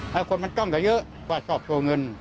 แต่คนมันช่องจะเยอะกว่าเศรษฐ์โตเงิน